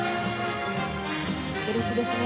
うれしいですね。